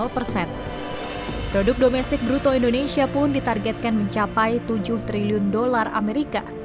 produk domestik bruto indonesia pun ditargetkan mencapai tujuh triliun dolar amerika